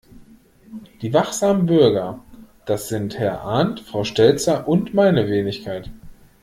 Die wachsamen Bürger, das sind Herr Arndt, Frau Stelzer und meine Wenigkeit.